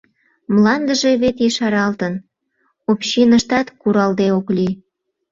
Мландыже вет ешаралтын, общиныштат куралде ок лий.